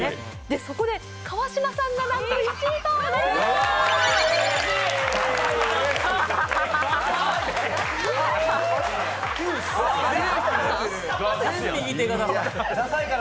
そこで川島さんがなんと、１位となりました。